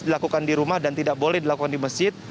dilakukan di rumah dan tidak boleh dilakukan di masjid